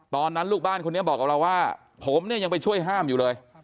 ตอนนั้นลูกบ้านคนนี้บอกกับเราว่าผมเนี่ยยังไปช่วยห้ามอยู่เลย